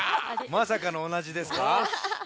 まさかのおなじですか。